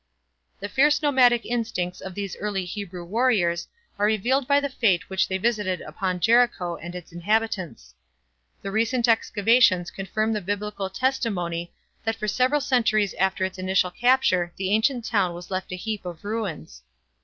The fierce nomadic instincts of these early Hebrew warriors are revealed by the fate which they visited upon Jericho and its inhabitants. The recent excavations confirm the Biblical testimony that for several centuries after its initial capture the ancient town was left a heap of ruins.